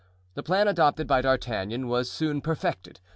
The plan adopted by D'Artagnan was soon perfected.